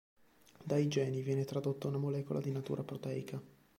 Dai geni viene tradotta una molecola di natura proteica.